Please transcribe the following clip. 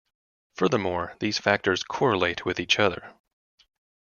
Furthermore, these factors correlate with each other.